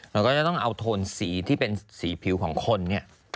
เราก็จะต้องเอาโทนสีที่เป็นสีผิวของคนเนี่ย